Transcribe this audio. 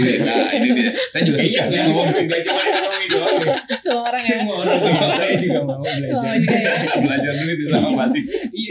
saya juga suka semua orang suka saya juga mau belajar duit sama pak sik